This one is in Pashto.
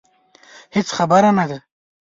هېڅ خبر نه دي.